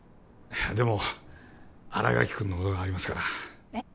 いやでも新垣君のことがありますからえっ？